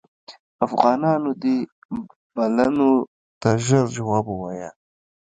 افغانانو دې بلنو ته ژر جواب ووایه.